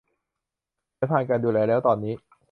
ฉันผ่านการดูแลแล้วตอนนี้